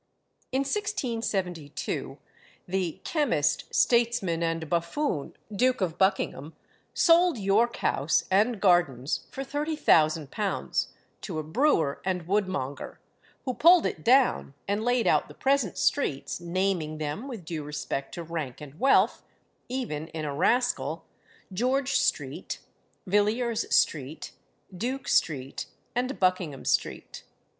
In 1672 the "chemyst, statesman, and buffoon" Duke of Buckingham sold York House and gardens for £30,000 to a brewer and woodmonger, who pulled it down and laid out the present streets, naming them, with due respect to rank and wealth, even in a rascal, George Street, Villiers Street, Duke Street, and Buckingham Street.